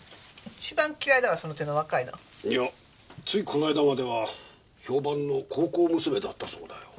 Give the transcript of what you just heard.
一番嫌いだわその手の若いの。いやついこの間までは評判の孝行娘だったそうだよ。